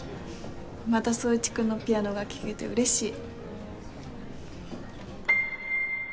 また宗一君のピアノが聴けて嬉しい